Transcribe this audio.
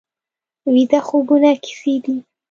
ویده خوبونه کیسې دي